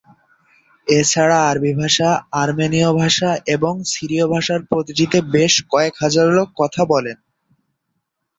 এছাড়া আরবি ভাষা, আর্মেনীয় ভাষা এবং সিরীয় ভাষার প্রতিটিতে বেশ কয়েক হাজার লোক কথা বলেন।